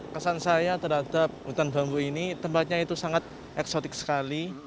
kesan saya terhadap hutan bambu ini tempatnya itu sangat eksotik sekali